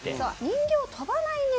「人形跳ばないね」